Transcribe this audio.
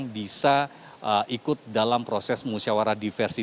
bisa ikut dalam proses musyawarah diversi